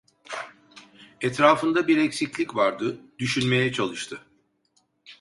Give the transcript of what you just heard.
Etrafında bir eksiklik vardı, düşünmeye çalıştı.